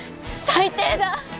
最低だ！